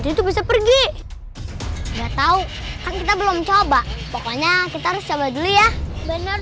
ada itu bisa pergi enggak tahu kita belum coba pokoknya kita harus coba dulu ya benar